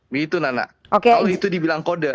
begitu nana kalau itu dibilang kode